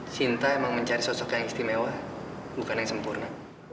sinta emang mencari sosok yang istimewa bukan yang sempurna